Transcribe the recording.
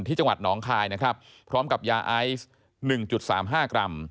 ที่จังหวัดหนองคายนะครับพร้อมกับยาไอซ์หนึ่งจุดสามห้ากรัม